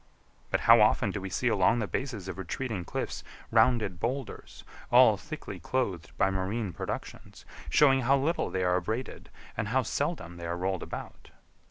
But how often do we see along the bases of retreating cliffs rounded boulders, all thickly clothed by marine productions, showing how little they are abraded and how seldom they are rolled about!